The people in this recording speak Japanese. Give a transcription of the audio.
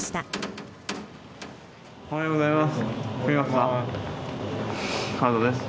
おはようございます。